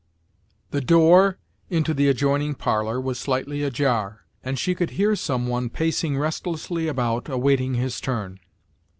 The door into the adjoining parlour was slightly ajar, and she could hear some one pacing restlessly about, awaiting his turn.